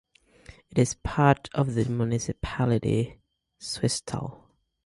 It is part of the municipality Swisttal.